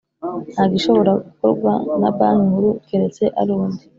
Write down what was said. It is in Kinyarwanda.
Nta gishobora gukorwa na Banki Nkuru keretse arundi